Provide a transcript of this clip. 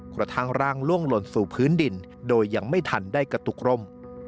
กระทั่งร่างล่วงหล่นสู่พื้นดินโดยยังไม่ทันได้กระตุกร่ม